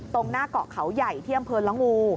ตรงหน้ากเกาะเขาใหญ่เที่ยงเผือนละงู